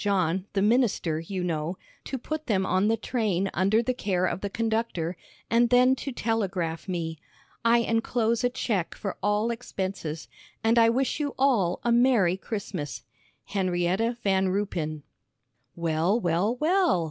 John, the minister, you know, to put them on the train under the care of the conductor, and then to telegraph me. I enclose a check for all expenses. And I wish you all a Merry Christmas. "'HENRIETTA VAN RUYPEN,' "Well, well, well."